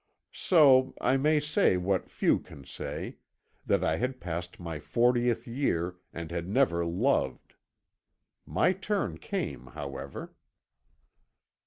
So I may say what few can say that I had passed my fortieth year, and had never loved. "My turn came, however.